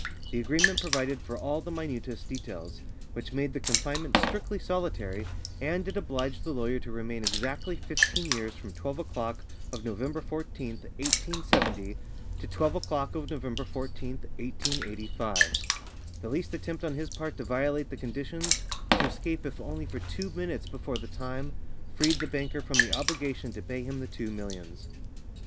The agreement provided for all the minutest details, which made the confinement strictly solitary, and it obliged the lawyer to remain exactly fifteen years from twelve o'clock of November 14th, 1870, to twelve o'clock of November 14th, 1885. The least attempt on his part to violate the conditions, to escape if only for two minutes before the time freed the banker from the obligation to pay him the two millions.